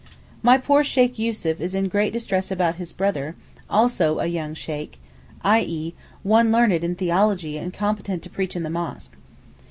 My poor Sheykh Yussuf is in great distress about his brother, also a young Sheykh (i.e., one learned in theology and competent to preach in the mosque).